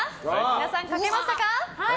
皆さん、書けましたか？